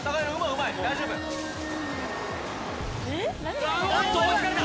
うまい大丈夫おっと追いつかれた！